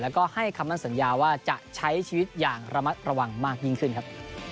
แล้วก็ให้คำมั่นสัญญาว่าจะใช้ชีวิตอย่างระมัดระวังมากยิ่งขึ้นครับ